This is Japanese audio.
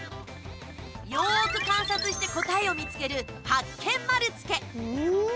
よく観察して答えを見つけるハッケン丸つけ。